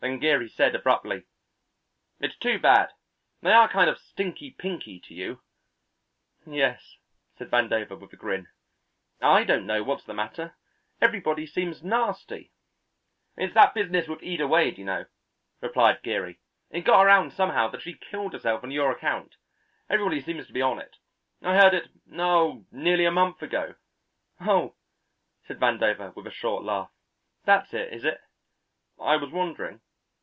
Then Geary said abruptly: "It's too bad. They are kind of stinky pinky to you." "Yes," said Vandover with a grin. "I don't know what's the matter. Everybody seems nasty!" "It's that business with Ida Wade, you know," replied Geary. "It got around somehow that she killed herself on your account. Everybody seems to be on to it. I heard it oh, nearly a month ago." "Oh," said Vandover with a short laugh, "that's it, is it? I was wondering."